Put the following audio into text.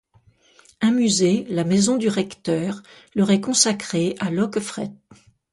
Un musée, la Maison du Recteur, leur est consacré à Loqueffret.